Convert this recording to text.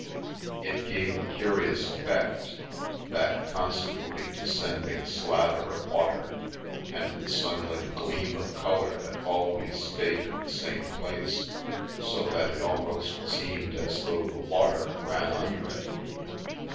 It gave a curious effect, that constantly de scending slather of water and the sunlit gleam of colour that always stayed in the same place, so that it almost seemed as though the water ran under it.